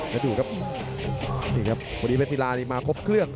แล้วดูครับนี่ครับวันนี้เพชรกีฬานี่มาครบเครื่อง